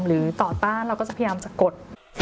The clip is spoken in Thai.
หรือต่อต้านเราก็จะพยายามจะกด